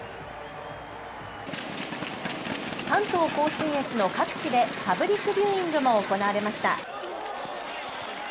関東甲信越の各地でパブリックビューイングも行われました。